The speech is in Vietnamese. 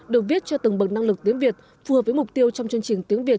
được viết cho từng bậc năng lực tiếng việt phù hợp với mục tiêu trong chương trình tiếng việt